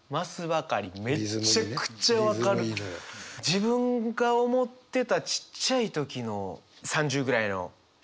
自分が思ってたちっちゃい時の３０ぐらいの人。